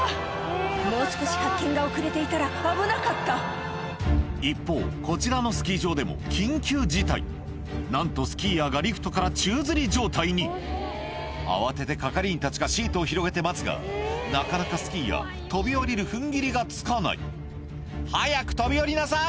もう少し発見が遅れていたら危なかった一方こちらのスキー場でも緊急事態なんとスキーヤーがリフトから宙づり状態に慌てて係員たちがシートを広げて待つがなかなかスキーヤー飛び降りる踏ん切りがつかない「早く飛び降りなさい！」